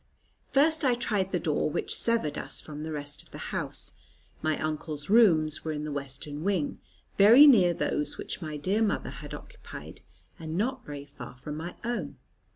First I tried the door, which severed us from the rest of the house. My uncle's rooms were in the western wing, very near those which my dear mother had occupied, and not very far from my own.